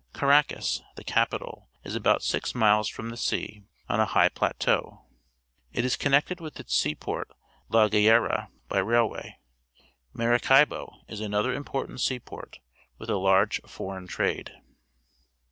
— Caracas, the capital, is about six miles from the sea, on a high plateau. It is connected with its .seaport. La Guaira, by railway. Maracaiho is another important seaport, with a large foreign trade.